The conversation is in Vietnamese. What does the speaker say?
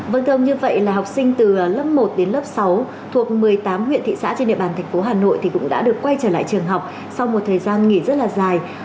vâng thưa ông như vậy là học sinh từ lớp một đến lớp sáu thuộc một mươi tám huyện thị xã trên địa bàn thành phố hà nội cũng đã được quay trở lại trường học sau một thời gian nghỉ rất là dài